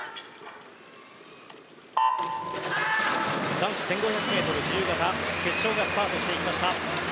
男子１５００ｍ自由形決勝がスタートしていきました。